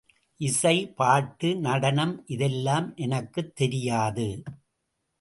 இசை, பாட்டு, நடனம் இதெல்லாம் எனக்குத் தெரியாது.